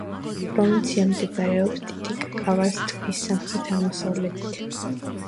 პროვინცია მდებარეობს ტიტიკაკას ტბის სამხრეთ-აღმოსავლეთით.